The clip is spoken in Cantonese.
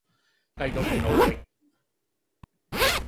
繼續努力